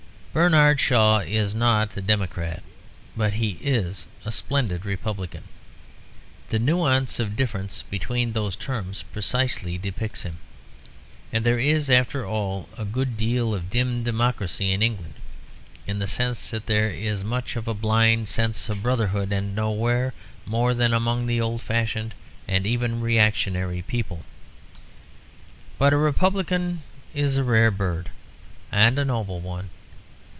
Bernard Shaw is not a democrat; but he is a splendid republican. The nuance of difference between those terms precisely depicts him. And there is after all a good deal of dim democracy in England, in the sense that there is much of a blind sense of brotherhood, and nowhere more than among old fashioned and even reactionary people. But a republican is a rare bird, and a noble one.